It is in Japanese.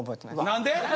何で？